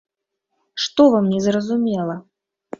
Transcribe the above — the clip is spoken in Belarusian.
Што вам не зразумела?